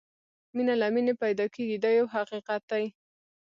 مینه له مینې پیدا کېږي دا یو حقیقت دی.